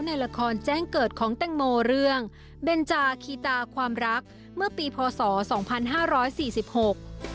ในละครแจ้งเกิดของแตงโมเรื่องเบนจาคีตาความรักเมื่อปีพศสองพันห้าร้อยสี่สิบหก